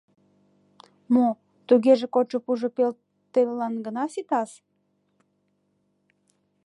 — Мо, тугеже кодшо пужо пел телылан гына ситас.